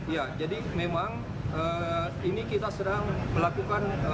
ya jadi memang ini kita sedang melakukan